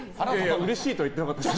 うれしいとは言ってなかったよ？